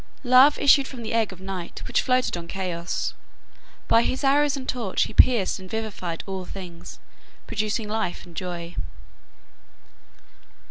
Love (Eros) issued from the egg of Night, which floated on Chaos. By his arrows and torch he pierced and vivified all things, producing life and joy.